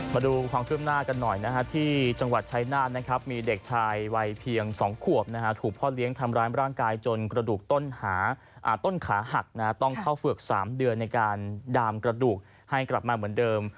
มาดูความคืบหน้ากันหน่อยนะฮะที่จังหวัดชายนาฏนะครับมีเด็กชายวัยเพียง๒ขวบถูกพ่อเลี้ยงทำร้ายร่างกายจนกระดูกต้นขาหักต้องเข้าเฝือก๓เดือนในการดามกระดูกให้กลับมาเหมือนเดิม